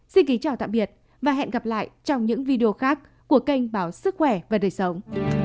xin kính chào tạm biệt và hẹn gặp lại trong những video khác của kênh báo sức khỏe và đời sống